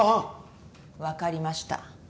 わかりました。